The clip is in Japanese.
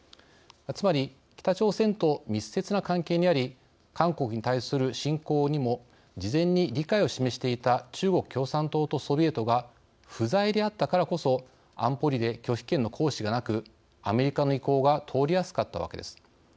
つまり北朝鮮と密接な関係にあり韓国に対する侵攻にも事前に理解を示していた中国共産党とソビエトが不在であったからこそ安保理で拒否権の行使がなくアメリカの意向が通りやすかったわけです。